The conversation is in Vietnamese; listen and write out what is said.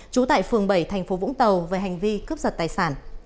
trú tại phường bảy tp vũng tàu về hành vi cướp giật tài sản